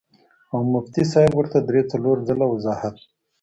او مفتي صېب ورته درې څلور ځله وضاحت